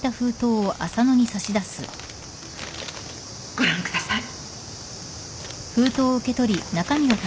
ご覧ください。